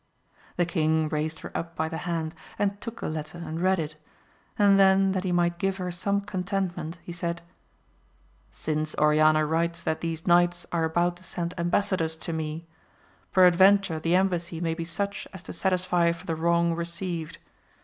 The king raised her up by the hand, and took the letter and read it, and then that he might give her some contentment, he said, Since Oriana writes that AMADI8 OF GAUL. 109 these knights are about to send embassadors to me, peradventure the embassy may be such as to satisfy for the wrong received.